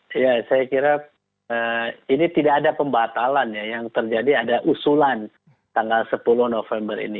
saya kira ini tidak ada pembatalan ya yang terjadi ada usulan tanggal sepuluh november ini